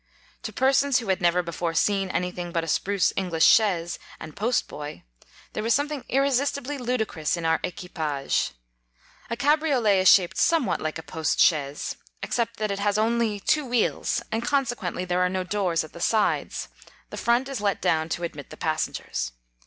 To persons who had never before seen any thing but a spruce English chaise and post boy, there was something irresist ibly ludicrous in our equipage. A cabriolet is shaped somewhat like a posUchaise, except that it has only 8 two wheels, and consequently there are no doors at the sides ; the front is let down to admit the passengers.